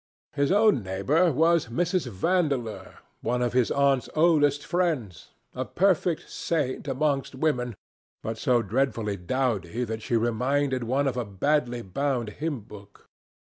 His own neighbour was Mrs. Vandeleur, one of his aunt's oldest friends, a perfect saint amongst women, but so dreadfully dowdy that she reminded one of a badly bound hymn book.